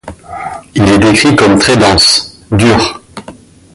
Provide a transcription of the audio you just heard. Il est décrit comme très dense, dur.